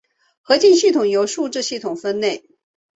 合金系统由数字系统分类。